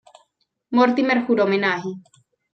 Mortimer juró homenaje.